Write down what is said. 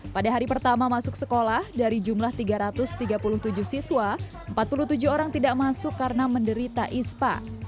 pada hari pertama masuk sekolah dari jumlah tiga ratus tiga puluh tujuh siswa empat puluh tujuh orang tidak masuk karena menderita ispa